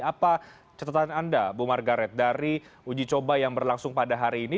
apa catatan anda bu margaret dari uji coba yang berlangsung pada hari ini